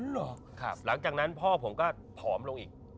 หลังจากนั้นพ่อผมก็ผอมลงอีก